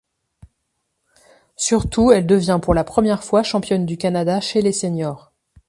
Surtout, elle devient pour la première fois championne du Canada chez les seniors.